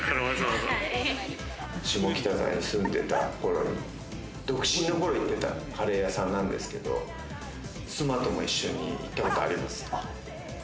下北沢に住んでた頃に、独身の頃行ってたカレー屋さんなんですけれど、妻とも一緒に行ったことありますね。